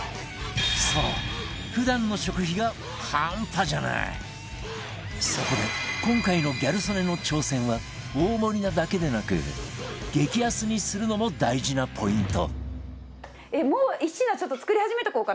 そう普段のそこで今回のギャル曽根の挑戦は大盛りなだけでなく激安にするのも大事なポイント